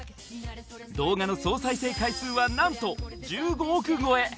動画の総再生回数はなんと１５億超え！